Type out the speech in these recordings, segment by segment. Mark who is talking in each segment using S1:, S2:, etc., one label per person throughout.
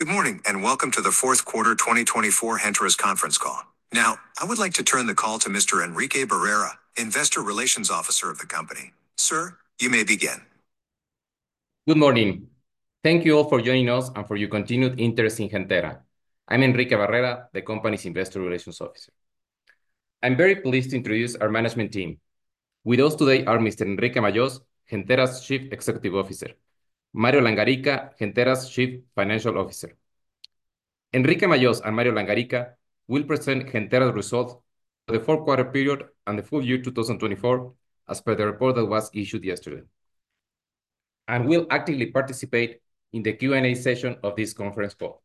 S1: Good morning and welcome to the fourth quarter 2024 Gentera conference call. Now, I would like to turn the call to Mr. Enrique Barrera, Investor Relations Officer of the company. Sir, you may begin.
S2: Good morning. Thank you all for joining us and for your continued interest in Gentera. I'm Enrique Barrera, the company's Investor Relations Officer. I'm very pleased to introduce our management team. With us today are Mr. Enrique Majós, Gentera's Chief Executive Officer, Mario Langarica, Gentera's Chief Financial Officer. Enrique Majós and Mario Langarica will present Gentera's results for the fourth quarter period and the full year 2024, as per the report that was issued yesterday, and we'll actively participate in the Q&A session of this conference call.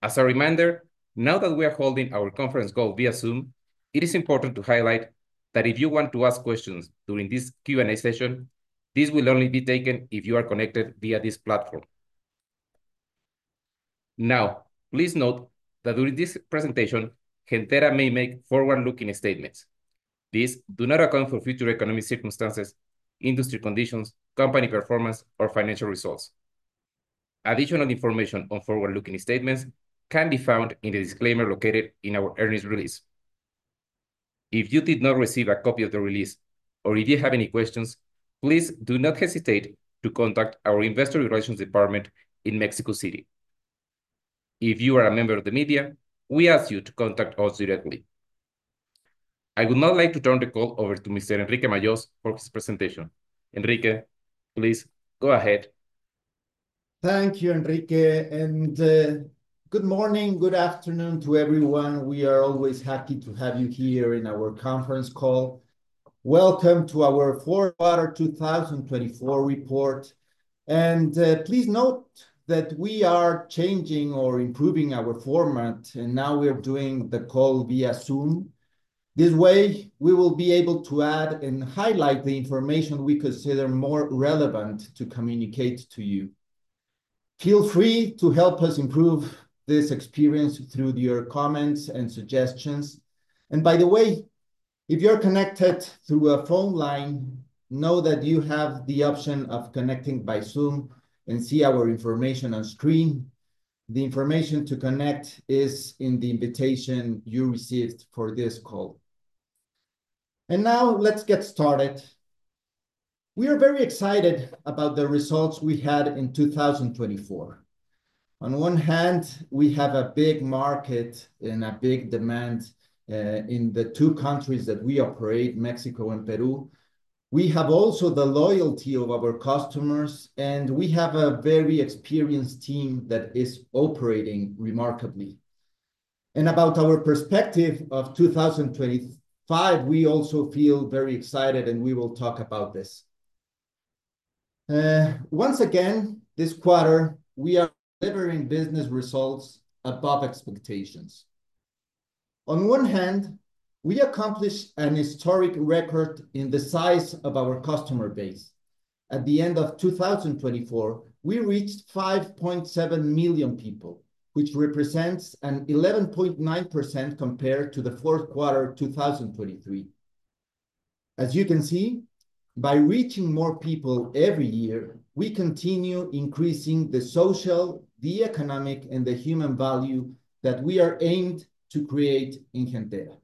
S2: As a reminder, now that we are holding our conference call via Zoom, it is important to highlight that if you want to ask questions during this Q&A session, these will only be taken if you are connected via this platform. Now, please note that during this presentation, Gentera may make forward-looking statements. These do not account for future economic circumstances, industry conditions, company performance, or financial results. Additional information on forward-looking statements can be found in the disclaimer located in our earnings release. If you did not receive a copy of the release or if you have any questions, please do not hesitate to contact our Investor Relations Department in Mexico City. If you are a member of the media, we ask you to contact us directly. I would now like to turn the call over to Mr. Enrique Majós for his presentation. Enrique, please go ahead.
S3: Thank you, Enrique. Good morning, good afternoon to everyone. We are always happy to have you here in our conference call. Welcome to our fourth quarter 2024 report. Please note that we are changing or improving our format, and now we are doing the call via Zoom. This way, we will be able to add and highlight the information we consider more relevant to communicate to you. Feel free to help us improve this experience through your comments and suggestions. By the way, if you're connected through a phone line, know that you have the option of connecting by Zoom and seeing our information on screen. The information to connect is in the invitation you received for this call. Now let's get started. We are very excited about the results we had in 2024. On one hand, we have a big market and a big demand in the two countries that we operate, Mexico and Peru. We have also the loyalty of our customers, and we have a very experienced team that is operating remarkably. And about our perspective of 2025, we also feel very excited, and we will talk about this. Once again, this quarter, we are delivering business results above expectations. On one hand, we accomplished a historic record in the size of our customer base. At the end of 2024, we reached 5.7 million people, which represents an 11.9% compared to the fourth quarter 2023. As you can see, by reaching more people every year, we continue increasing the social, the economic, and the human value that we are aimed to create in Gentera.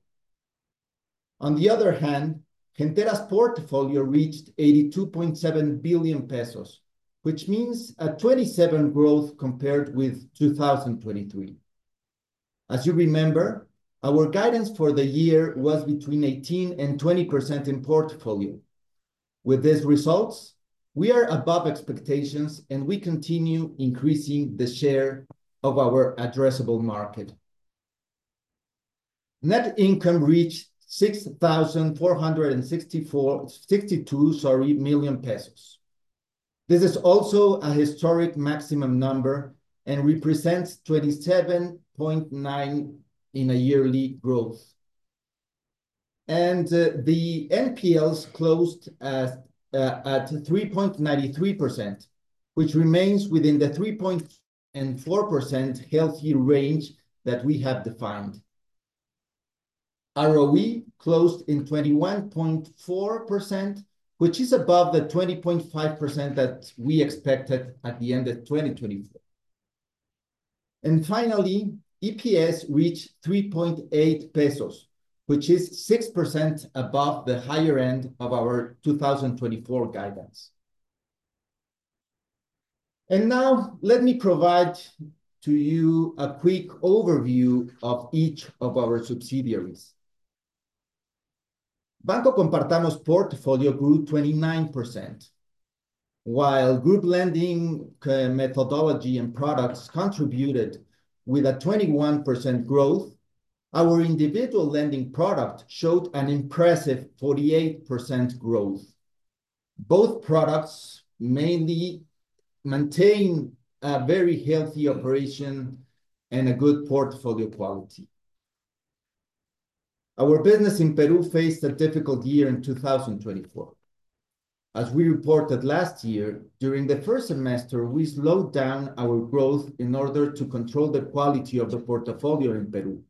S3: On the other hand, Gentera's portfolio reached 82.7 billion pesos, which means a 27% growth compared with 2023. As you remember, our guidance for the year was between 18% and 20% in portfolio. With these results, we are above expectations, and we continue increasing the share of our addressable market. Net income reached 6,462 million pesos. This is also a historic maximum number and represents 27.9% in a yearly growth. And the NPLs closed at 3.93%, which remains within the 3.4% healthy range that we have defined. ROE closed in 21.4%, which is above the 20.5% that we expected at the end of 2024. And finally, EPS reached 3.8 pesos, which is 6% above the higher end of our 2024 guidance. And now let me provide to you a quick overview of each of our subsidiaries. Banco Compartamos portfolio grew 29%. While group lending methodology and products contributed with a 21% growth, our individual lending product showed an impressive 48% growth. Both products mainly maintain a very healthy operation and a good portfolio quality. Our business in Peru faced a difficult year in 2024. As we reported last year, during the first semester, we slowed down our growth in order to control the quality of the portfolio in Peru.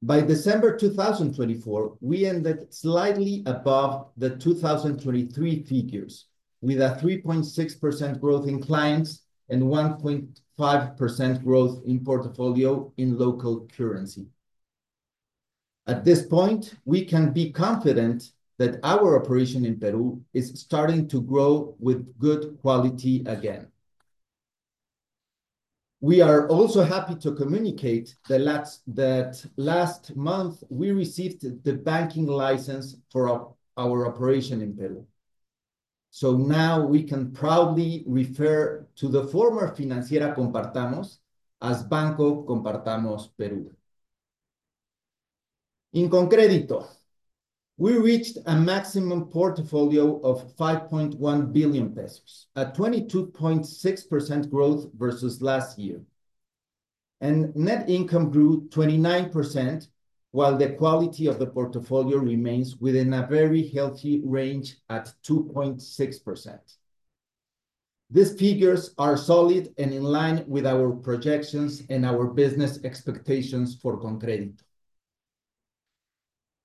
S3: By December 2024, we ended slightly above the 2023 figures with a 3.6% growth in clients and 1.5% growth in portfolio in local currency. At this point, we can be confident that our operation in Peru is starting to grow with good quality again. We are also happy to communicate that last month we received the banking license for our operation in Peru. So now we can proudly refer to the former Compartamos Financiera as Banco Compartamos Perú. In ConCrédito, we reached a maximum portfolio of 5.1 billion pesos, a 22.6% growth versus last year. Net income grew 29%, while the quality of the portfolio remains within a very healthy range at 2.6%. These figures are solid and in line with our projections and our business expectations for ConCrédito.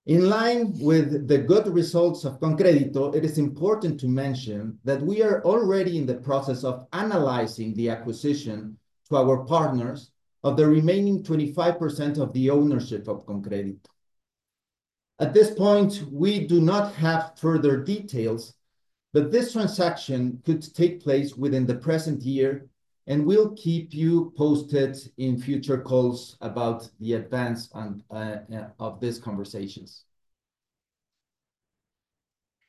S3: In line with the good results of ConCrédito, it is important to mention that we are already in the process of analyzing the acquisition to our partners of the remaining 25% of the ownership of ConCrédito. At this point, we do not have further details, but this transaction could take place within the present year, and we'll keep you posted in future calls about the advance of these conversations.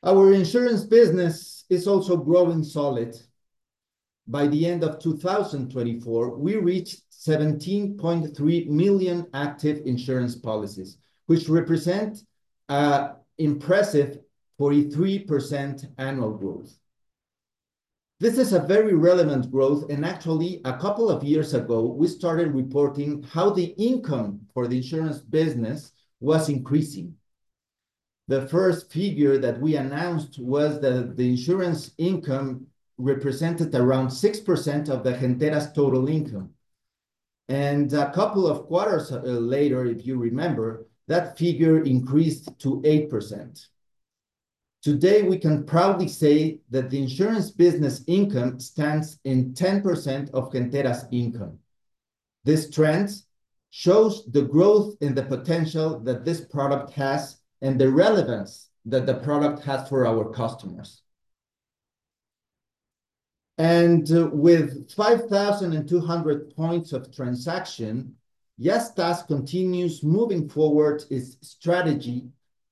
S3: Our insurance business is also growing solid. By the end of 2024, we reached 17.3 million active insurance policies, which represent an impressive 43% annual growth. This is a very relevant growth, and actually, a couple of years ago, we started reporting how the income for the insurance business was increasing. The first figure that we announced was that the insurance income represented around 6% of the Gentera's total income. And a couple of quarters later, if you remember, that figure increased to 8%. Today, we can proudly say that the insurance business income stands in 10% of Gentera's income. This trend shows the growth in the potential that this product has and the relevance that the product has for our customers. And with 5,200 points of transaction, Yastás continues moving forward its strategy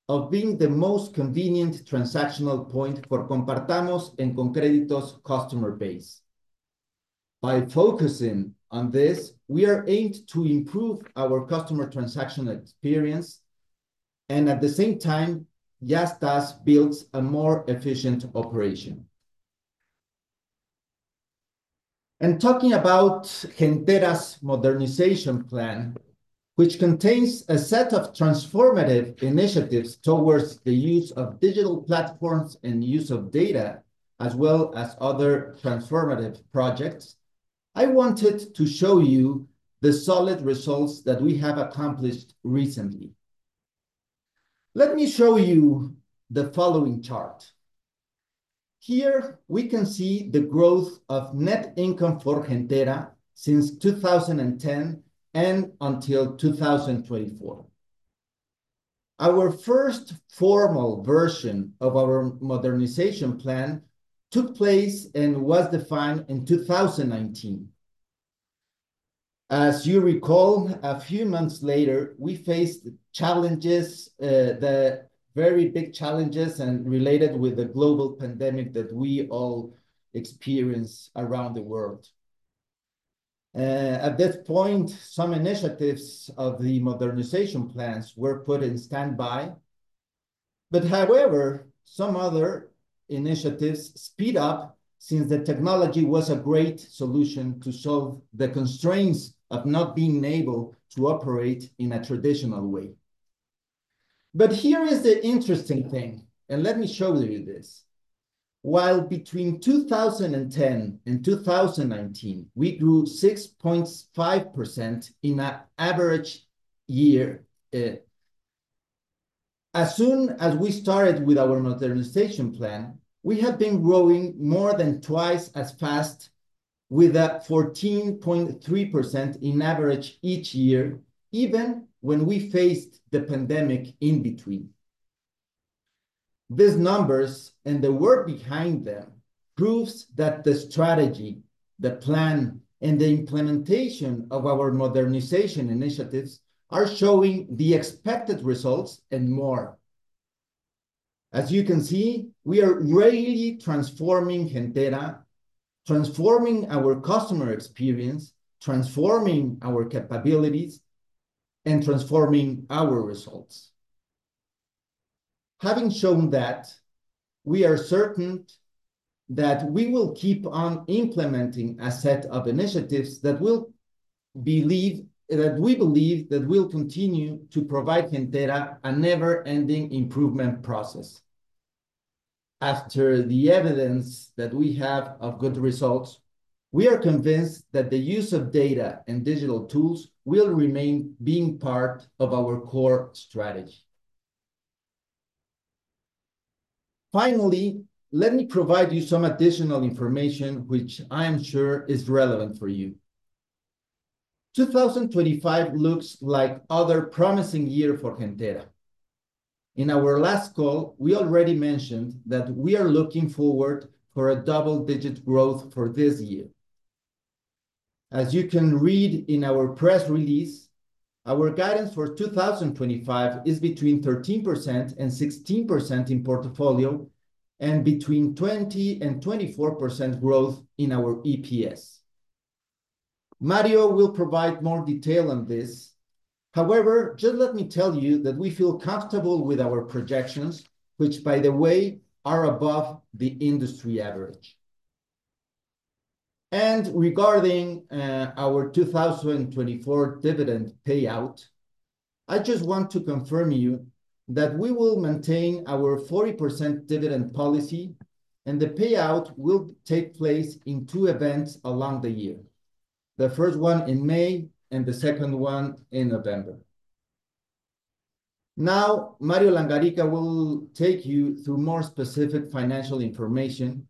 S3: of being the most convenient transactional point for Compartamos and ConCrédito's customer base. By focusing on this, we are aimed to improve our customer transaction experience, and at the same time, Yastás builds a more efficient operation. Talking about Gentera's modernization plan, which contains a set of transformative initiatives towards the use of digital platforms and use of data, as well as other transformative projects, I wanted to show you the solid results that we have accomplished recently. Let me show you the following chart. Here we can see the growth of net income for Gentera since 2010 and until 2024. Our first formal version of our modernization plan took place and was defined in 2019. As you recall, a few months later, we faced challenges, the very big challenges related with the global pandemic that we all experience around the world. At this point, some initiatives of the modernization plans were put in standby. But however, some other initiatives speed up since the technology was a great solution to solve the constraints of not being able to operate in a traditional way. Here is the interesting thing, and let me show you this. While between 2010 and 2019, we grew 6.5% in an average year, as soon as we started with our modernization plan, we have been growing more than twice as fast with a 14.3% in average each year, even when we faced the pandemic in between. These numbers and the work behind them proves that the strategy, the plan, and the implementation of our modernization initiatives are showing the expected results and more. As you can see, we are really transforming Gentera, transforming our customer experience, transforming our capabilities, and transforming our results. Having shown that, we are certain that we will keep on implementing a set of initiatives that we believe that will continue to provide Gentera a never-ending improvement process. After the evidence that we have of good results, we are convinced that the use of data and digital tools will remain being part of our core strategy. Finally, let me provide you some additional information, which I am sure is relevant for you. 2025 looks like another promising year for Gentera. In our last call, we already mentioned that we are looking forward to a double-digit growth for this year. As you can read in our press release, our guidance for 2025 is between 13% and 16% in portfolio and between 20% and 24% growth in our EPS. Mario will provide more detail on this. However, just let me tell you that we feel comfortable with our projections, which, by the way, are above the industry average. Regarding our 2024 dividend payout, I just want to confirm to you that we will maintain our 40% dividend policy, and the payout will take place in two events along the year. The first one in May and the second one in November. Now, Mario Langarica will take you through more specific financial information.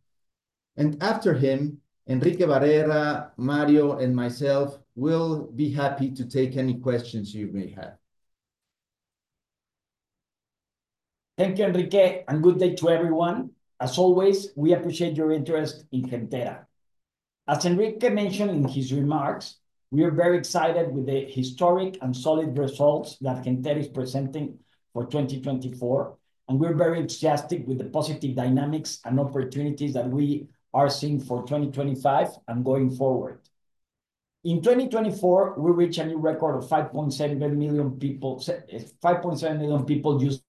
S3: And after him, Enrique Barrera, Mario, and myself will be happy to take any questions you may have.
S4: Thank you, Enrique, and good day to everyone. As always, we appreciate your interest in Gentera. As Enrique mentioned in his remarks, we are very excited with the historic and solid results that Gentera is presenting for 2024, and we're very enthusiastic with the positive dynamics and opportunities that we are seeing for 2025 and going forward. In 2024, we reached a new record of 5.7 million people using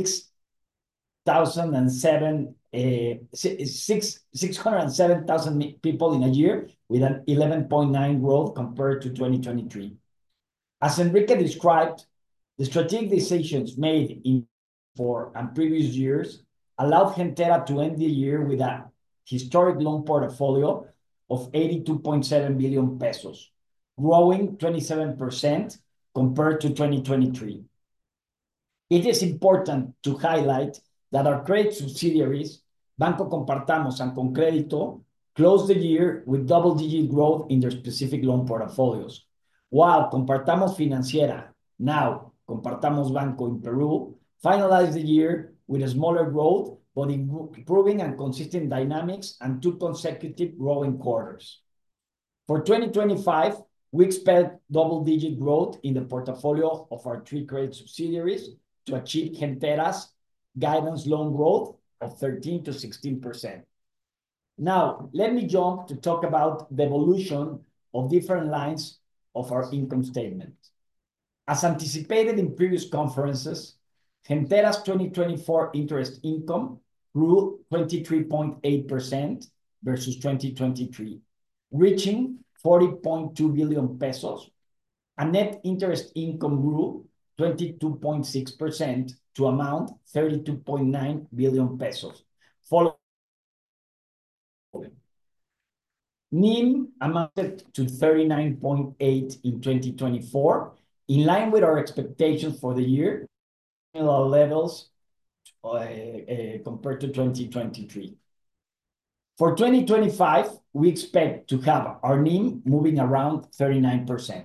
S4: 6,607,000 people in a year, with an 11.9% growth compared to 2023. As Enrique described, the strategic decisions made in 2024 and previous years allowed Gentera to end the year with a historic loan portfolio of 82.7 billion pesos, growing 27% compared to 2023. It is important to highlight that our great subsidiaries, Banco Compartamos and ConCrédito, closed the year with double-digit growth in their specific loan portfolios, while Compartamos Financiera, now Banco Compartamos Perú, finalized the year with a smaller growth, but improving on consistent dynamics and two consecutive growing quarters. For 2025, we expect double-digit growth in the portfolio of our three credit subsidiaries to achieve Gentera's guidance loan growth of 13%-16%. Now, let me jump to talk about the evolution of different lines of our income statement. As anticipated in previous conferences, Gentera's 2024 interest income grew 23.8% versus 2023, reaching 40.2 billion pesos. And net interest income grew 22.6% to amount 32.9 billion MXN, following. NIM amounted to 39.8% in 2024, in line with our expectations for the year, similar levels compared to 2023. For 2025, we expect to have our NIM moving around 39%.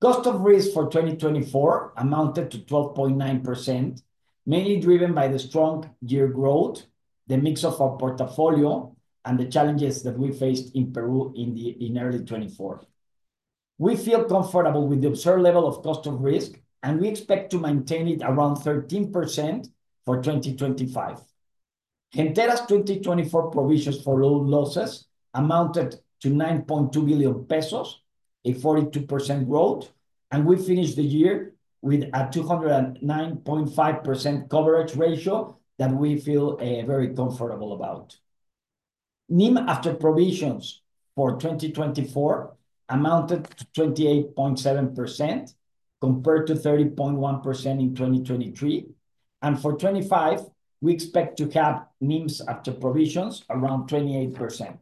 S4: Cost of risk for 2024 amounted to 12.9%, mainly driven by the strong year growth, the mix of our portfolio, and the challenges that we faced in Peru in early 2024. We feel comfortable with the observed level of cost of risk, and we expect to maintain it around 13% for 2025. Gentera's 2024 provisions for loan losses amounted to 9.2 billion pesos, a 42% growth, and we finished the year with a 209.5% coverage ratio that we feel very comfortable about. NIM after provisions for 2024 amounted to 28.7% compared to 30.1% in 2023, and for 2025, we expect to have NIMs after provisions around 28%.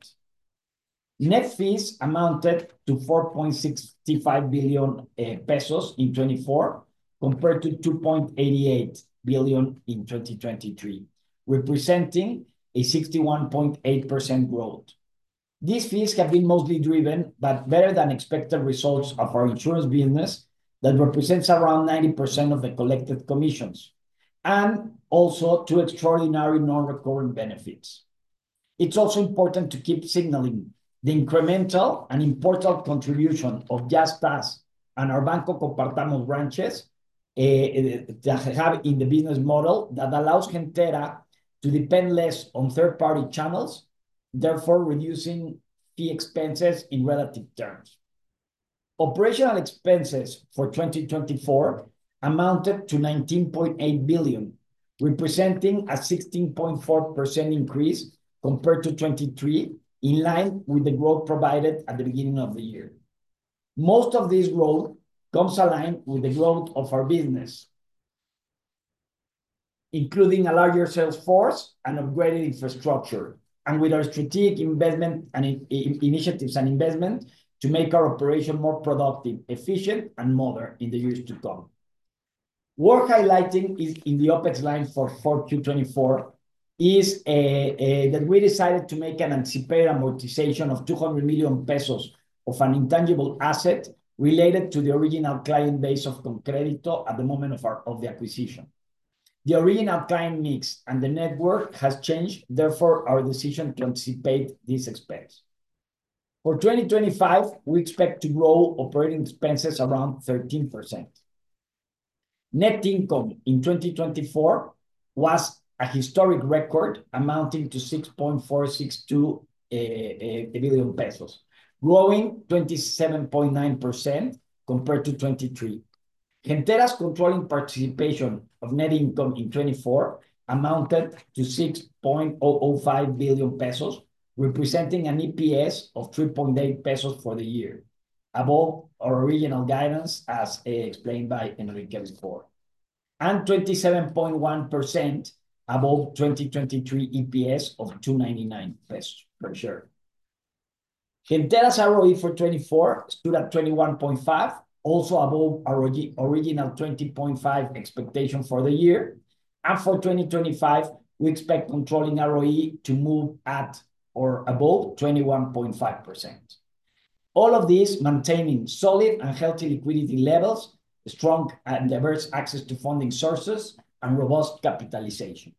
S4: Net fees amounted to 4.65 billion pesos in 2024 compared to 2.88 billion in 2023, representing a 61.8% growth. These fees have been mostly driven by better-than-expected results of our insurance business that represents around 90% of the collected commissions and also two extraordinary non-recurring benefits. It's also important to keep signaling the incremental and important contribution of Yastás and our Banco Compartamos branches to have in the business model that allows Gentera to depend less on third-party channels, therefore reducing fee expenses in relative terms. Operational expenses for 2024 amounted to 19.8 billion, representing a 16.4% increase compared to 2023, in line with the growth provided at the beginning of the year. Most of this growth comes aligned with the growth of our business, including a larger sales force and upgraded infrastructure, and with our strategic investment and initiatives and investment to make our operation more productive, efficient, and modern in the years to come. What highlighting is in the OPEX line for Q2 2024 is that we decided to make an anticipated amortization of 200 million pesos of an intangible asset related to the original client base of ConCrédito at the moment of the acquisition. The original client mix and the network has changed; therefore, our decision to anticipate this expense. For 2025, we expect to grow operating expenses around 13%. Net income in 2024 was a historic record amounting to 6.462 billion pesos, growing 27.9% compared to 2023. Gentera's controlling participation of net income in 2024 amounted to 6.05 billion pesos, representing an EPS of 3.8 pesos for the year, above our original guidance, as explained by Enrique before, and 27.1% above 2023 EPS of 2.99 pesos per share. Gentera's ROE for 2024 stood at 21.5%, also above our original 20.5% expectation for the year. And for 2025, we expect controlling ROE to move at or above 21.5%. All of this maintaining solid and healthy liquidity levels, strong and diverse access to funding sources, and robust capitalization.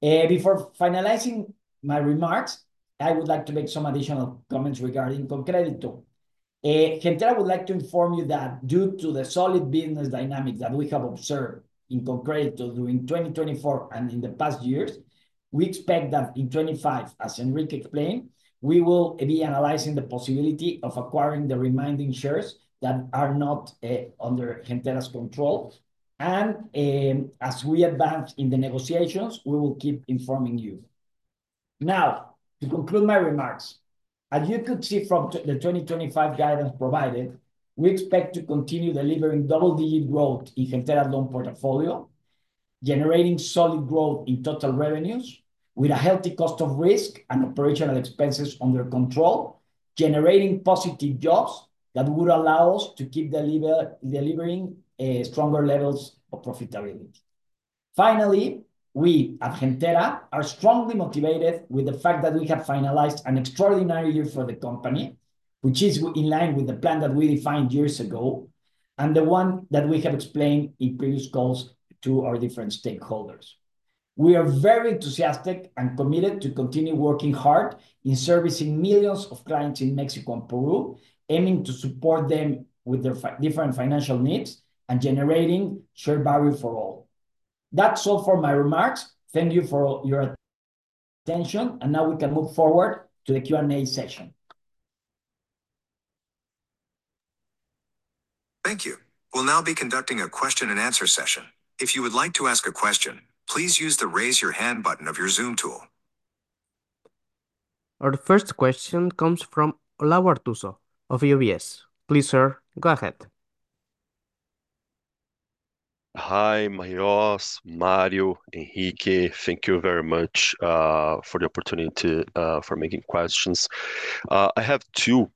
S4: Before finalizing my remarks, I would like to make some additional comments regarding ConCrédito. Gentera would like to inform you that due to the solid business dynamic that we have observed in ConCrédito during 2024 and in the past years, we expect that in 2025, as Enrique explained, we will be analyzing the possibility of acquiring the remaining shares that are not under Gentera's control, and as we advance in the negotiations, we will keep informing you. Now, to conclude my remarks, as you could see from the 2025 guidance provided, we expect to continue delivering double-digit growth in Gentera's loan portfolio, generating solid growth in total revenues with a healthy cost of risk and operational expenses under control, generating positive jaws that would allow us to keep delivering stronger levels of profitability. Finally, we at Gentera are strongly motivated with the fact that we have finalized an extraordinary year for the company, which is in line with the plan that we defined years ago and the one that we have explained in previous calls to our different stakeholders. We are very enthusiastic and committed to continue working hard in servicing millions of clients in Mexico and Peru, aiming to support them with their different financial needs and generating shared value for all. That's all for my remarks. Thank you for your attention, and now we can move forward to the Q&A session.
S1: Thank you. We'll now be conducting a question-and-answer session. If you would like to ask a question, please use the raise-your-hand button of your Zoom tool. Our first question comes from Olavo Arthuzo of UBS. Please, sir, go ahead.
S5: Hi, Mario, Enrique. Thank you very much for the opportunity for making questions. I have two.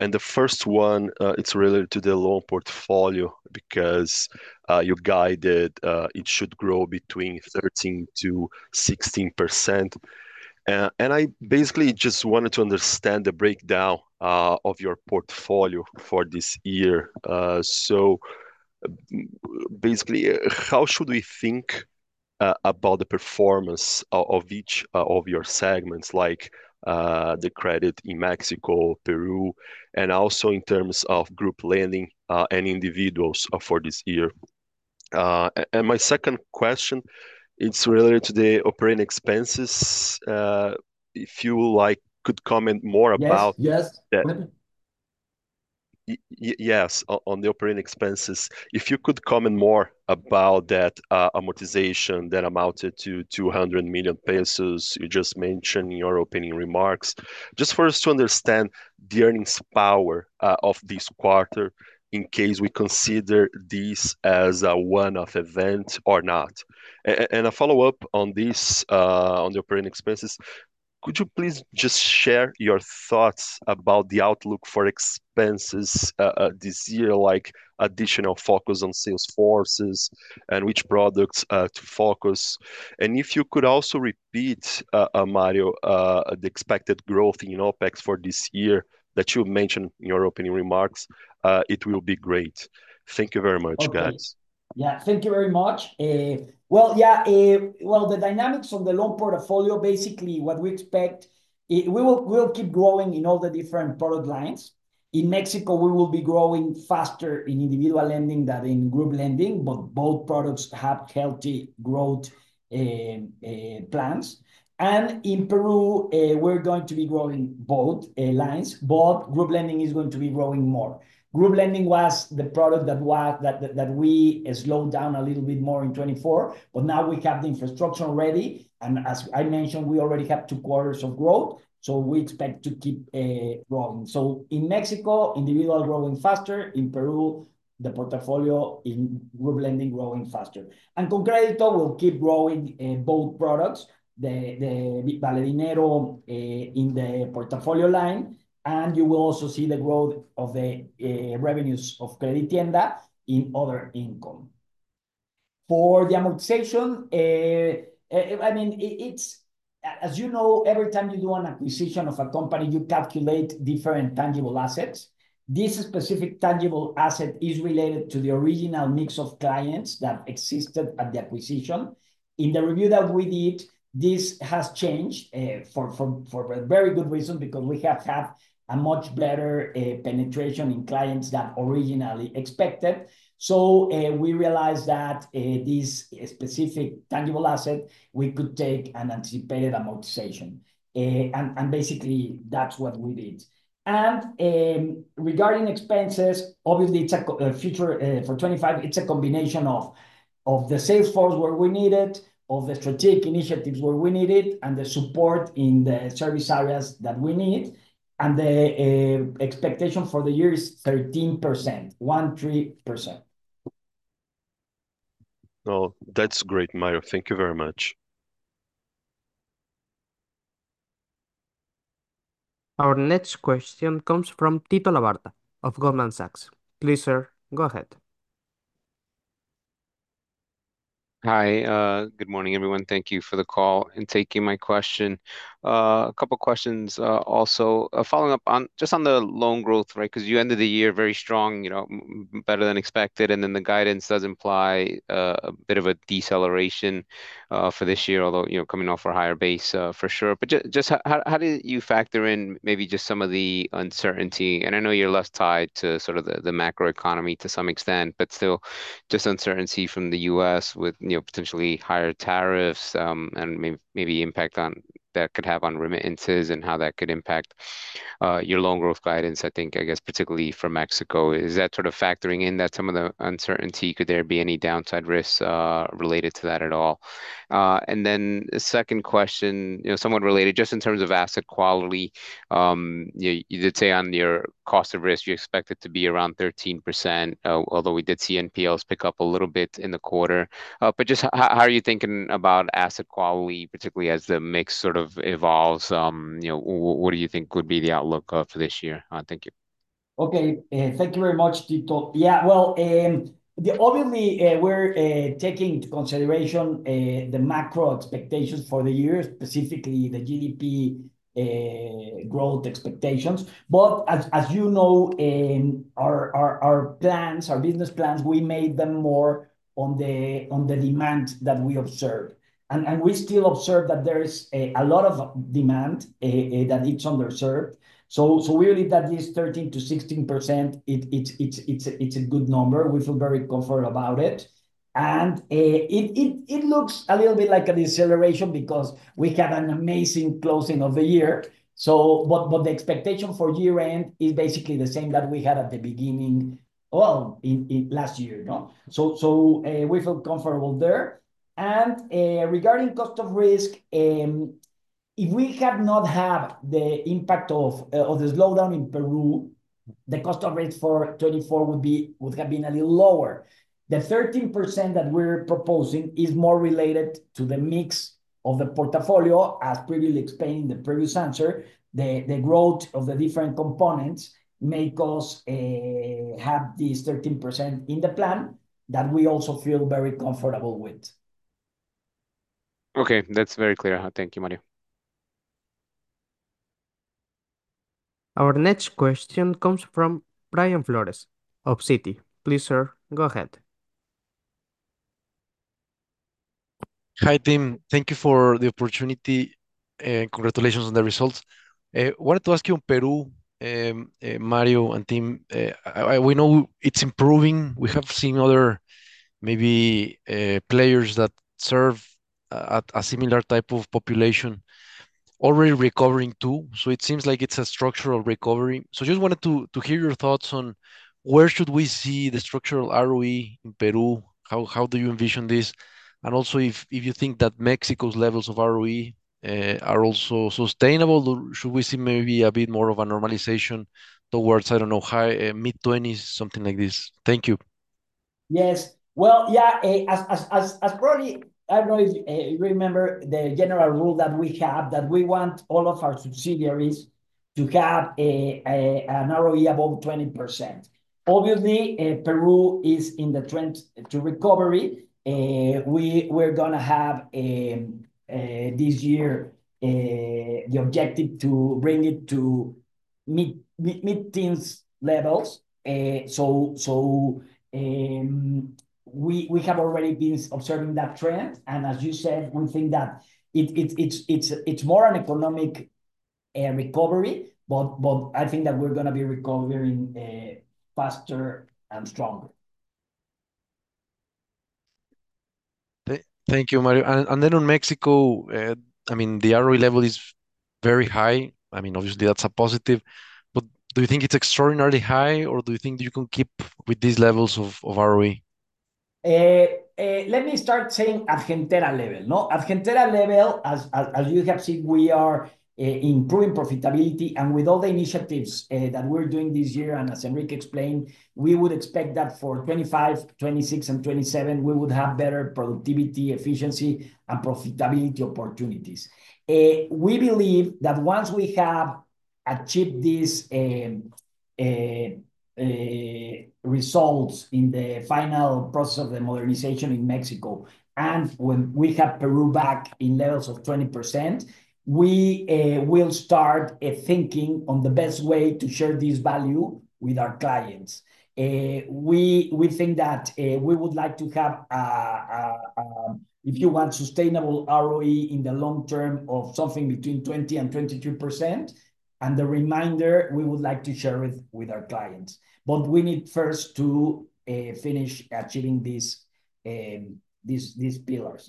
S5: And the first one, it's related to the loan portfolio because you guided it should grow between 13%-16%. And I basically just wanted to understand the breakdown of your portfolio for this year. So basically, how should we think about the performance of each of your segments, like the credit in Mexico, Peru, and also in terms of group lending and individuals for this year? And my second question, it's related to the operating expenses. If you could comment more about that.
S4: Yes, yes.
S5: On the operating expenses, if you could comment more about that amortization that amounted to 200 million pesos you just mentioned in your opening remarks, just for us to understand the earnings power of this quarter in case we consider this as a one-off event or not. A follow-up on this, on the operating expenses, could you please just share your thoughts about the outlook for expenses this year, like additional focus on sales forces and which products to focus? If you could also repeat, Mario, the expected growth in OpEx for this year that you mentioned in your opening remarks, it will be great. Thank you very much, guys.
S4: Yeah, thank you very much. Yeah, well, the dynamics of the loan portfolio, basically what we expect, we will keep growing in all the different product lines. In Mexico, we will be growing faster in individual lending than in group lending, but both products have healthy growth plans. In Peru, we're going to be growing both lines, but group lending is going to be growing more. Group lending was the product that we slowed down a little bit more in 2024, but now we have the infrastructure ready, and as I mentioned, we already have two quarters of growth, so we expect to keep growing, so in Mexico, individual growing faster. In Peru, the portfolio in group lending growing faster, and ConCrédito will keep growing both products, the Vale Dinero in the portfolio line, and you will also see the growth of the revenues of CrediTienda in other income. For the amortization, I mean, as you know, every time you do an acquisition of a company, you calculate different tangible assets. This specific tangible asset is related to the original mix of clients that existed at the acquisition. In the review that we did, this has changed for a very good reason because we have had a much better penetration in clients than originally expected. We realized that this specific tangible asset, we could take an anticipated amortization. And basically, that's what we did. And regarding expenses, obviously, for 2025, it's a combination of the sales force where we need it, of the strategic initiatives where we need it, and the support in the service areas that we need. And the expectation for the year is 13%, 13%.
S5: Well, that's great, Mario. Thank you very much.
S1: Our next question comes from Tito Labarta of Goldman Sachs. Please, sir, go ahead.
S6: Hi, good morning, everyone. Thank you for the call and taking my question. A couple of questions also following up on just on the loan growth, right? Because you ended the year very strong, better than expected, and then the guidance does imply a bit of a deceleration for this year, although coming off a higher base for sure. But just how do you factor in maybe just some of the uncertainty? And I know you're less tied to sort of the macroeconomy to some extent, but still just uncertainty from the U.S. with potentially higher tariffs and maybe impact on that could have on remittances and how that could impact your loan growth guidance, I think, I guess, particularly for Mexico. Is that sort of factoring in that some of the uncertainty? Could there be any downside risks related to that at all? And then the second question, somewhat related, just in terms of asset quality, you did say on your cost of risk, you expect it to be around 13%, although we did see NPLs pick up a little bit in the quarter. But just how are you thinking about asset quality, particularly as the mix sort of evolves? What do you think would be the outlook for this year? Thank you.
S4: Okay. Thank you very much, Tito. Yeah, well, obviously, we're taking into consideration the macro expectations for the year, specifically the GDP growth expectations. But as you know, our plans, our business plans, we made them more on the demand that we observed. And we still observe that there is a lot of demand that it's underserved. So we believe that this 13%-16%, it's a good number. We feel very comfortable about it. And it looks a little bit like a deceleration because we had an amazing closing of the year. But the expectation for year-end is basically the same that we had at the beginning, well, last year. So we feel comfortable there. And regarding cost of risk, if we had not had the impact of the slowdown in Peru, the cost of risk for 2024 would have been a little lower. The 13% that we're proposing is more related to the mix of the portfolio, as previously explained in the previous answer. The growth of the different components may have this 13% in the plan that we also feel very comfortable with.
S6: Okay, that's very clear. Thank you, Mario.
S1: Our next question comes from Brian Flores of Citi. Please, sir, go ahead.
S7: Hi, team. Thank you for the opportunity and congratulations on the results. I wanted to ask you on Peru, Mario, and team. We know it's improving. We have seen other maybe players that serve a similar type of population already recovering too. So it seems like it's a structural recovery. I just wanted to hear your thoughts on where we should see the structural ROE in Peru. How do you envision this? And also, if you think that Mexico's levels of ROE are also sustainable, should we see maybe a bit more of a normalization towards, I don't know, mid-20s, something like this? Thank you.
S4: Yes. Well, yeah, as probably I don't know if you remember the general rule that we have that we want all of our subsidiaries to have an ROE above 20%. Obviously, Peru is in the trend to recovery. We're going to have this year the objective to bring it to mid-teens levels. So we have already been observing that trend. And as you said, we think that it's more an economic recovery, but I think that we're going to be recovering faster and stronger.
S7: Thank you, Mario. And then in Mexico, I mean, the ROE level is very high. I mean, obviously, that's a positive. But do you think it's extraordinarily high, or do you think you can keep with these levels of ROE?
S4: Let me start saying at Gentera level. At Gentera level, as you have seen, we are improving profitability. And with all the initiatives that we're doing this year, and as Enrique explained, we would expect that for 2025, 2026, and 2027, we would have better productivity, efficiency, and profitability opportunities. We believe that once we have achieved these results in the final process of the modernization in Mexico, and when we have Peru back in levels of 20%, we will start thinking on the best way to share this value with our clients. We think that we would like to have, if you want, sustainable ROE in the long term of something between 20% and 23%. And the remainder, we would like to share it with our clients. But we need first to finish achieving these pillars.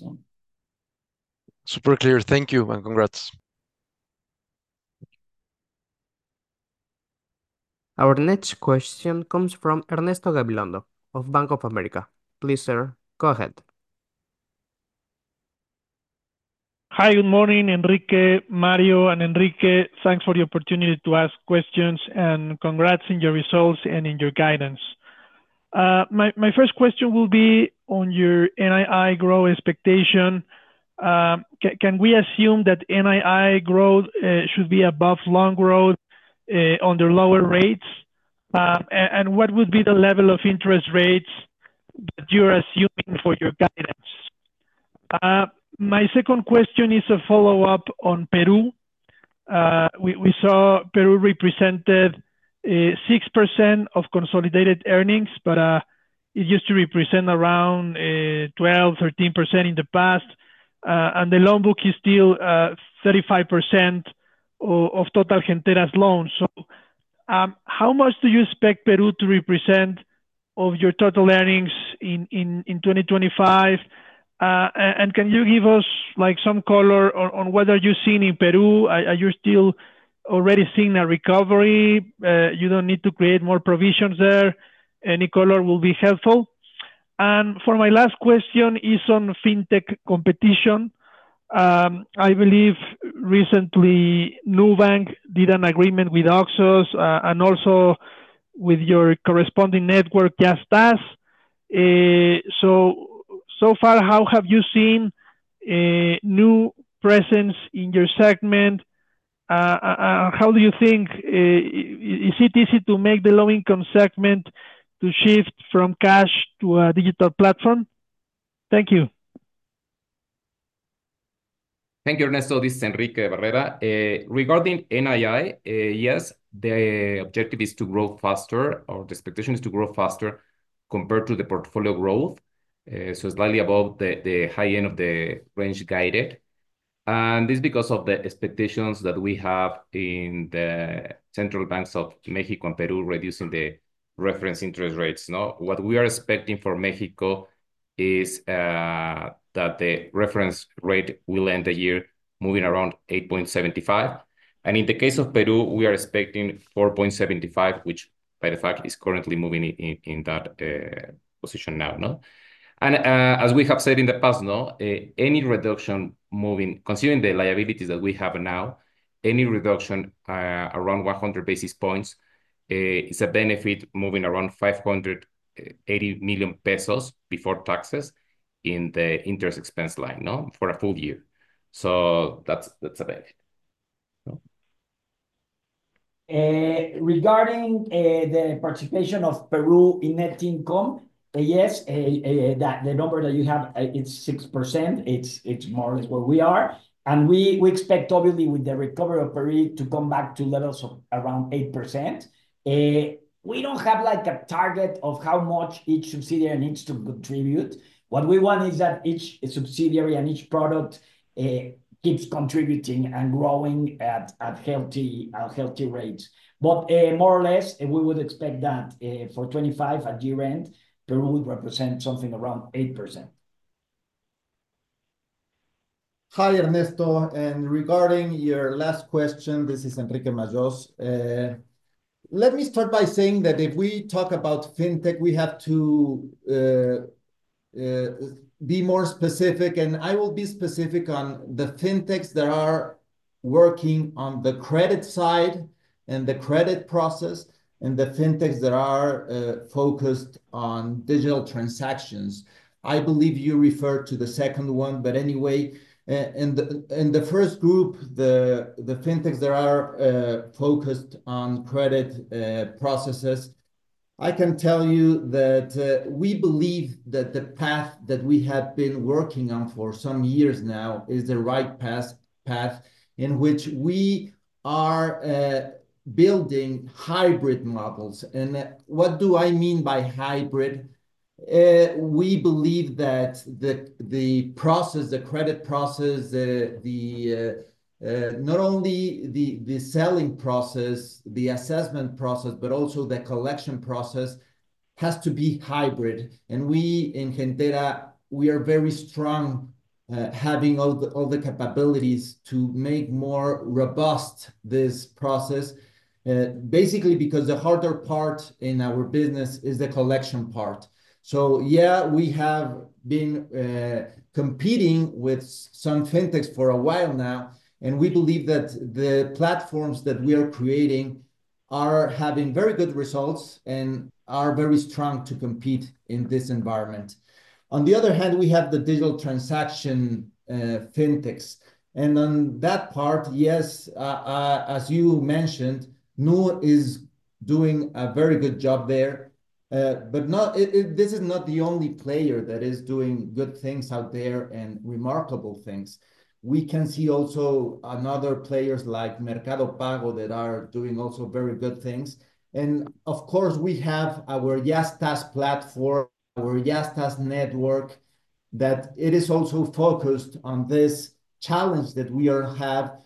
S7: Super clear. Thank you and congrats.
S1: Our next question comes from Ernesto Gabilondo of Bank of America. Please, sir, go ahead.
S8: Hi, good morning, Enrique, Mario, and Enrique. Thanks for the opportunity to ask questions and congrats in your results and in your guidance. My first question will be on your NII growth expectation. Can we assume that NII growth should be above loan growth under lower rates? And what would be the level of interest rates that you're assuming for your guidance? My second question is a follow-up on Peru. We saw Peru represented 6% of consolidated earnings, but it used to represent around 12%, 13% in the past. And the loan book is still 35% of total Gentera's loans. So how much do you expect Peru to represent of your total earnings in 2025? And can you give us some color on whether you're seeing in Peru? Are you still already seeing a recovery? You don't need to create more provisions there. Any color will be helpful. And for my last question is on fintech competition. I believe recently, Nubank did an agreement with Arcus and also with your correspondent network, Yastás. So far, how have you seen new presence in your segment? How do you think? Is it easy to make the low-income segment to shift from cash to a digital platform? Thank you.
S2: Thank you, Ernesto. This is Enrique Barrera. Regarding NII, yes, the objective is to grow faster. The expectation is to grow faster compared to the portfolio growth, so slightly above the high end of the range guided. And this is because of the expectations that we have in the central banks of Mexico and Peru reducing the reference interest rates. What we are expecting for Mexico is that the reference rate will end the year moving around 8.75%. And in the case of Peru, we are expecting 4.75%, which by the fact is currently moving in that position now. And as we have said in the past, any reduction moving, considering the liabilities that we have now, any reduction around 100 basis points is a benefit moving around 580 million pesos before taxes in the interest expense line for a full year. So that's a benefit.
S4: Regarding the participation of Peru in net income, yes, the number that you have is 6%. It's more than what we are. And we expect, obviously, with the recovery of Peru to come back to levels of around 8%. We don't have a target of how much each subsidiary needs to contribute. What we want is that each subsidiary and each product keeps contributing and growing at healthy rates. But more or less, we would expect that for 2025 at year-end, Peru would represent something around 8%.
S3: Hi, Ernesto. And regarding your last question, this is Enrique Majós. Let me start by saying that if we talk about fintech, we have to be more specific. And I will be specific on the fintechs that are working on the credit side and the credit process and the fintechs that are focused on digital transactions. I believe you referred to the second one, but anyway, in the first group, the fintechs that are focused on credit processes, I can tell you that we believe that the path that we have been working on for some years now is the right path in which we are building hybrid models. And what do I mean by hybrid? We believe that the process, the credit process, not only the selling process, the assessment process, but also the collection process has to be hybrid. And we in Gentera, we are very strong having all the capabilities to make more robust this process, basically because the harder part in our business is the collection part. So yeah, we have been competing with some fintechs for a while now. We believe that the platforms that we are creating are having very good results and are very strong to compete in this environment. On the other hand, we have the digital transaction fintechs. On that part, yes, as you mentioned, Nu is doing a very good job there. This is not the only player that is doing good things out there and remarkable things. We can see also other players like Mercado Pago that are doing also very good things. Of course, we have our Yastás platform, our Yastás network, that it is also focused on this challenge that we have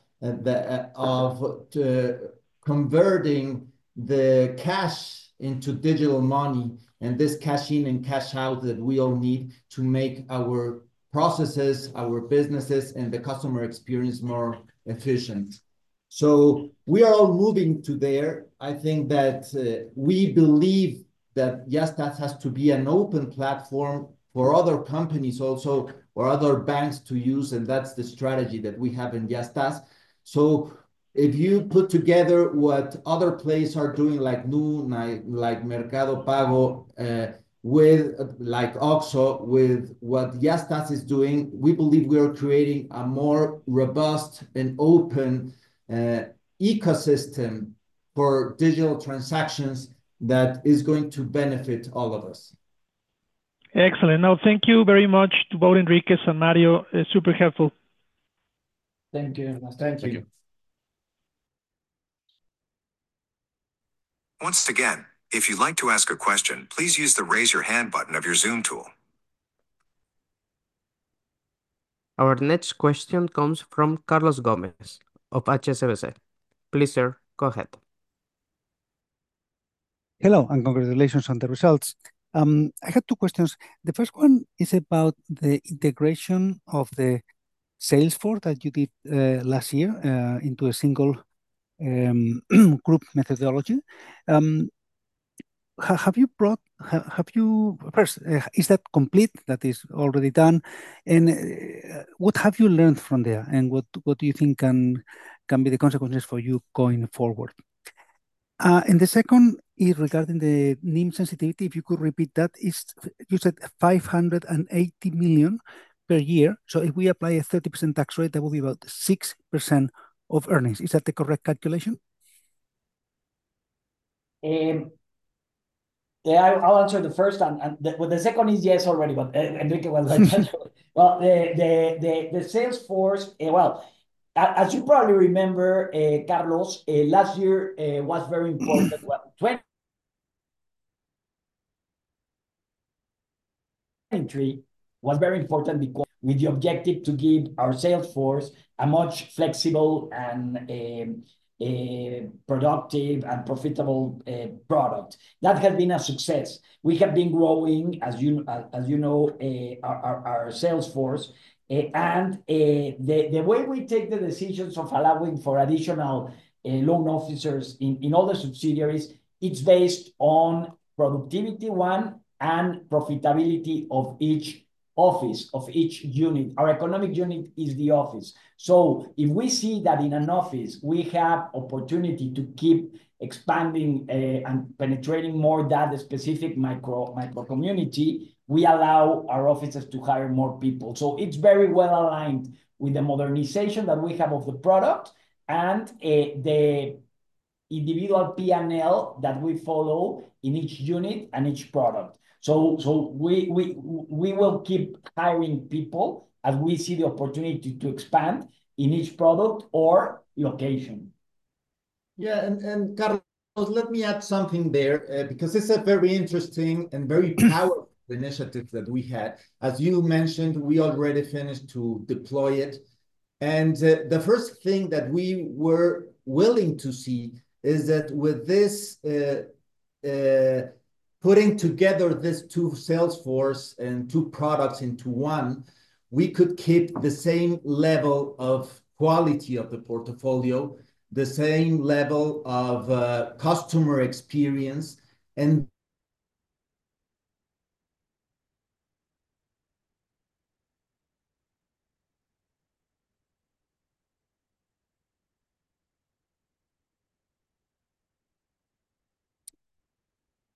S3: of converting the cash into digital money and this cash in and cash out that we all need to make our processes, our businesses, and the customer experience more efficient. We are all moving to there. I think that we believe that Yastás has to be an open platform for other companies also or other banks to use. And that's the strategy that we have in Yastás. So if you put together what other players are doing, like NU, like Mercado Pago, with Arcus, with what Yastás is doing, we believe we are creating a more robust and open ecosystem for digital transactions that is going to benefit all of us.
S8: Excellent. Now, thank you very much to both Enrique and Mario. Super helpful.
S3: Thank you.
S4: Thank you.
S1: Once again, if you'd like to ask a question, please use the raise your hand button of your Zoom tool. Our next question comes from Carlos Gomez of HSBC. Please, sir, go ahead.
S9: Hello, and congratulations on the results. I had two questions. The first one is about the integration of the sales force that you did last year into a single group methodology. Have you brought, first, is that complete? That is already done. And what have you learned from there? And what do you think can be the consequences for you going forward? And the second is regarding the NIM sensitivity. If you could repeat that, you said 580 million per year. So if we apply a 30% tax rate, that would be about 6% of earnings. Is that the correct calculation?
S4: I'll answer the first. The second is yes already, but Enrique was like, well, the sales force, well, as you probably remember, Carlos, last year was very important. 2023 was very important with the objective to give our sales force a much flexible and productive and profitable product. That has been a success. We have been growing, as you know, our sales force. And the way we take the decisions of allowing for additional loan officers in all the subsidiaries, it's based on productivity, one, and profitability of each office, of each unit. Our economic unit is the office. So if we see that in an office, we have opportunity to keep expanding and penetrating more that specific micro-community, we allow our offices to hire more people. So it's very well aligned with the modernization that we have of the product and the individual P&L that we follow in each unit and each product. So we will keep hiring people as we see the opportunity to expand in each product or location.
S3: Yeah. And Carlos, let me add something there because it's a very interesting and very powerful initiative that we had. As you mentioned, we already finished to deploy it. The first thing that we were willing to see is that with this putting together these two sales forces and two products into one, we could keep the same level of quality of the portfolio, the same level of customer experience.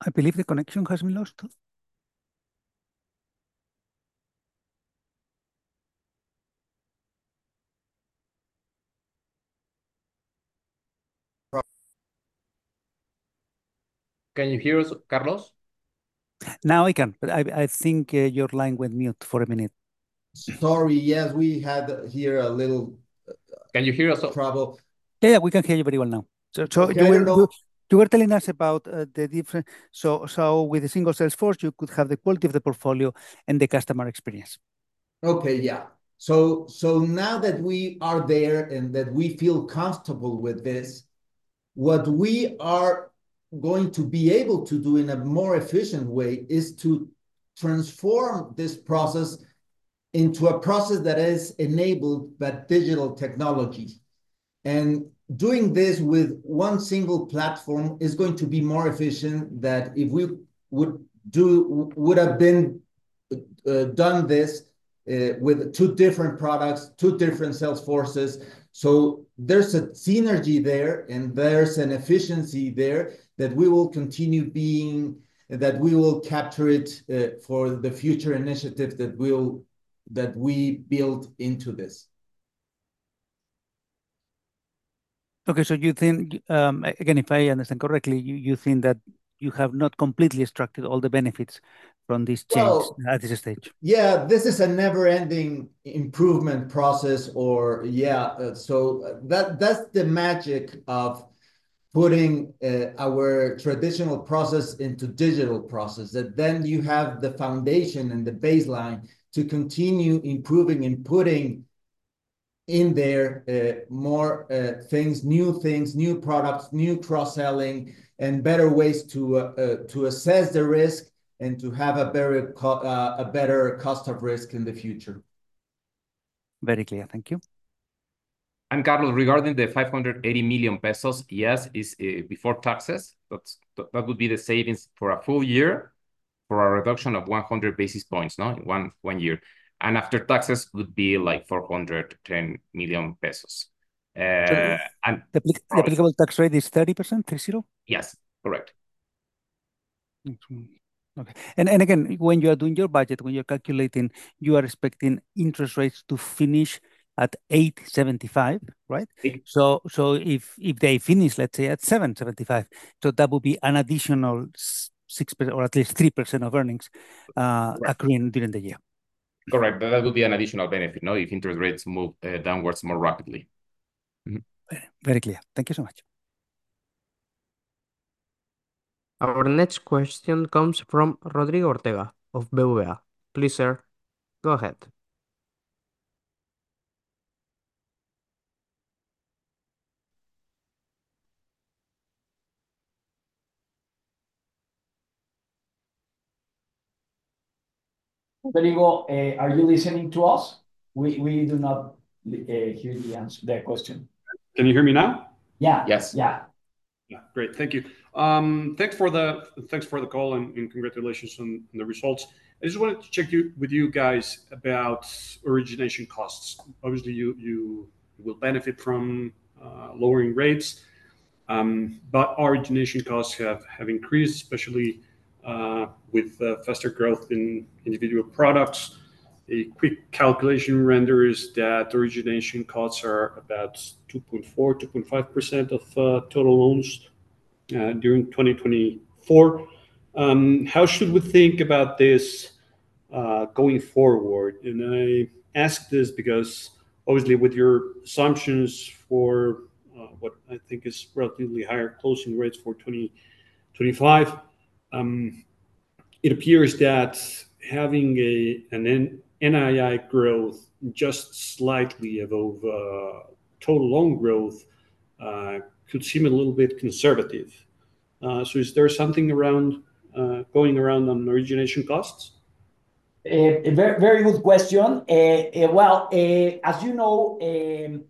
S9: I believe the connection has been lost.
S2: Can you hear us, Carlos?
S9: Now I can, but I think your line went mute for a minute.
S3: Sorry. Yes, we had here a little.
S2: Can you hear us, Carlos?
S9: Yeah, yeah, we can hear you very well now. You were telling us about the different. So with a single sales force, you could have the quality of the portfolio and the customer experience.
S3: Okay, yeah. So now that we are there and that we feel comfortable with this, what we are going to be able to do in a more efficient way is to transform this process into a process that is enabled by digital technology. And doing this with one single platform is going to be more efficient than if we would have done this with two different products, two different sales forces. So there's a synergy there, and there's an efficiency there that we will continue being, that we will capture it for the future initiatives that we build into this.
S9: Okay. So you think, again, if I understand correctly, you think that you have not completely extracted all the benefits from this change at this stage?
S3: Yeah, this is a never-ending improvement process, or yeah. So that's the magic of putting our traditional process into digital process, that then you have the foundation and the baseline to continue improving and putting in there more things, new things, new products, new cross-selling, and better ways to assess the risk and to have a better cost of risk in the future.
S9: Very clear. Thank you.
S4: And Carlos, regarding the 580 million pesos, yes, it's before taxes. That would be the savings for a full year for a reduction of 100 basis points in one year. And after taxes would be like 410 million pesos.
S9: And the applicable tax rate is 30%, 3-0?
S4: Yes, correct.
S9: Okay. And again, when you are doing your budget, when you're calculating, you are expecting interest rates to finish at 875, right? So if they finish, let's say, at 775, so that would be an additional 6% or at least 3% of earnings occurring during the year.
S4: Correct. That would be an additional benefit if interest rates move downwards more rapidly.
S9: Very clear. Thank you so much.
S1: Our next question comes from Rodrigo Ortega of BBVA. Please, sir, go ahead.
S4: Rodrigo, are you listening to us? We do not hear the question.
S10: Can you hear me now?
S4: Yeah.
S3: Yes.
S4: Yeah.
S10: Great. Thank you. Thanks for the call and congratulations on the results. I just wanted to check with you guys about origination costs. Obviously, you will benefit from lowering rates, but origination costs have increased, especially with faster growth in individual products. A quick calculation renders that origination costs are about 2.4-2.5% of total loans during 2024. How should we think about this going forward? I ask this because, obviously, with your assumptions for what I think is relatively higher closing rates for 2025, it appears that having an NII growth just slightly above total loan growth could seem a little bit conservative. Is there something going around on origination costs?
S4: Very good question. As you know,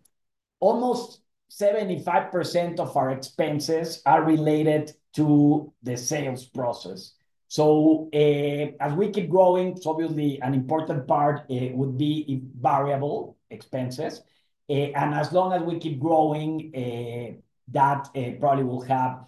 S4: almost 75% of our expenses are related to the sales process. As we keep growing, obviously, an important part would be variable expenses. As long as we keep growing, that probably will have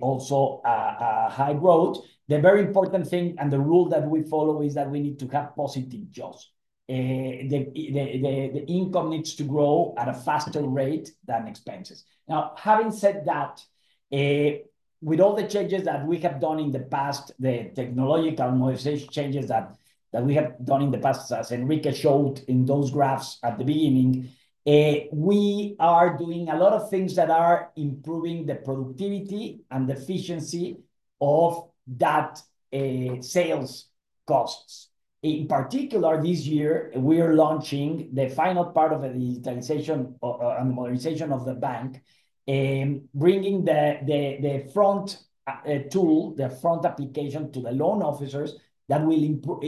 S4: also a high growth. The very important thing and the rule that we follow is that we need to have positive jaws. The income needs to grow at a faster rate than expenses. Now, having said that, with all the changes that we have done in the past, the technological changes that we have done in the past, as Enrique showed in those graphs at the beginning, we are doing a lot of things that are improving the productivity and the efficiency of that sales costs. In particular, this year, we are launching the final part of the digitalization and the modernization of the bank, bringing the front tool, the front application to the loan officers that will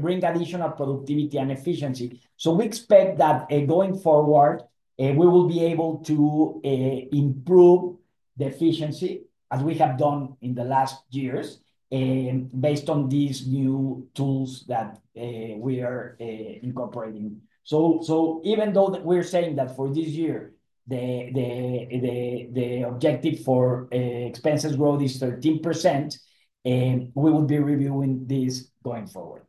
S4: bring additional productivity and efficiency. So we expect that going forward, we will be able to improve the efficiency as we have done in the last years based on these new tools that we are incorporating. So even though we're saying that for this year, the objective for expenses growth is 13%, we will be reviewing this going forward.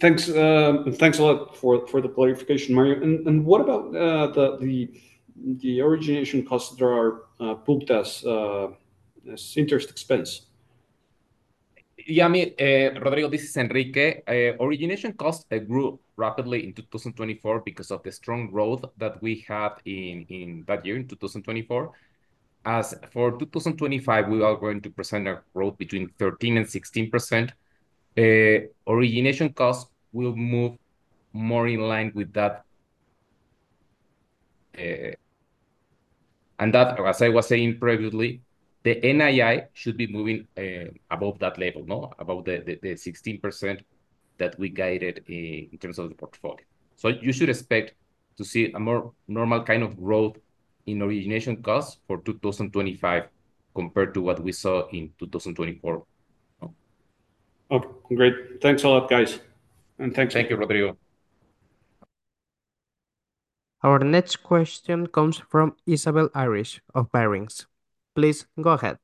S10: Thanks. Thanks a lot for the clarification, Mario. And what about the origination costs that are put as interest expense?
S2: Yeah, Rodrigo, this is Enrique. Origination costs grew rapidly in 2024 because of the strong growth that we had in that year, in 2024. As for 2025, we are going to present a growth between 13%-16%. Origination costs will move more in line with that. And as I was saying previously, the NII should be moving above that level, above the 16% that we guided in terms of the portfolio. So you should expect to see a more normal kind of growth in origination costs for 2025 compared to what we saw in 2024.
S10: Okay. Great. Thanks a lot, guys. And thanks.
S4: Thank you, Rodrigo.
S1: Our next question comes from Isabel Aris of Barings. Please go ahead.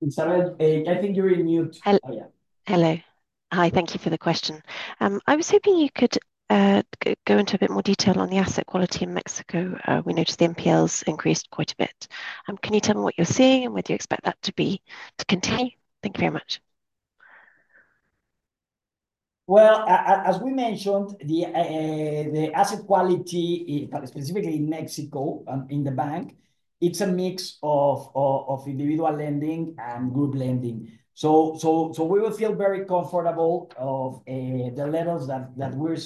S4: Isabel, I think you're in mute.
S11: Hello. Hello. Hi. Thank you for the question. I was hoping you could go into a bit more detail on the asset quality in Mexico. We noticed the NPLs increased quite a bit. Can you tell me what you're seeing and whether you expect that to continue? Thank you very much.
S4: As we mentioned, the asset quality, specifically in Mexico, in the bank, is a mix of individual lending and group lending. So we feel very comfortable with the levels that we are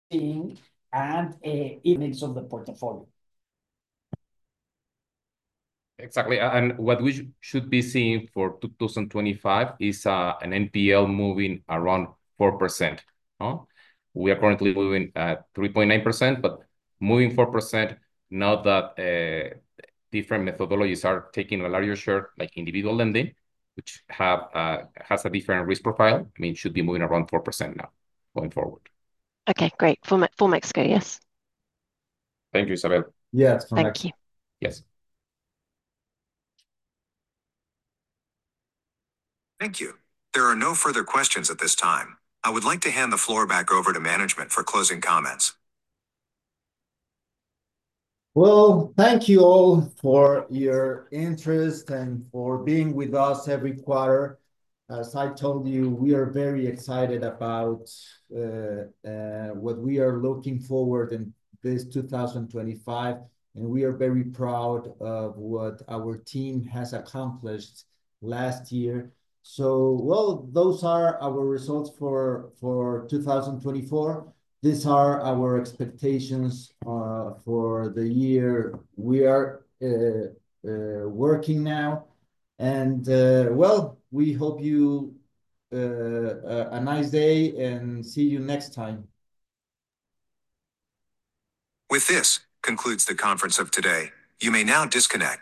S4: seeing and the mix of the portfolio.
S2: Exactly. And what we should be seeing for 2025 is an NPL moving around 4%. We are currently moving at 3.9%, but moving 4% now that different methodologies are taking a larger share, like individual lending, which has a different risk profile. I mean, it should be moving around 4% now going forward.
S11: Okay. Great. For Mexico, yes.
S4: Thank you, Isabel.
S3: Yeah, it's fine.
S11: Thank you.
S2: Yes.
S1: Thank you. There are no further questions at this time. I would like to hand the floor back over to management for closing comments.
S3: Thank you all for your interest and for being with us every quarter. As I told you, we are very excited about what we are looking forward to in 2025. We are very proud of what our team has accomplished last year. Those are our results for 2024. These are our expectations for the year we are working now. We hope you have a nice day and see you next time.
S1: With this concludes the conference of today. You may now disconnect.